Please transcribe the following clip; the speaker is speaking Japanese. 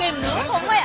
ほんまや！